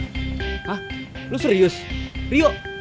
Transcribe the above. hah lo serius rio